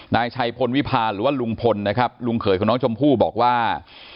นายชัยพลวิพาหรือว่าลุงพลนะครับลุงเขยของน้องชมพู่บอกว่า